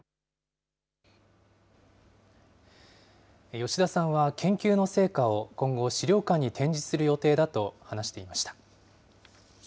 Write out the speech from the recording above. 吉田さんは、研究の成果を今後、資料館に展示する予定だと話していました。